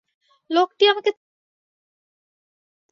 লোকটি আমাকে ছাড়িতে চাহিত না।